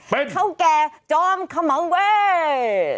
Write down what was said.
เป็นเท่าแก่จอมขมังเวย์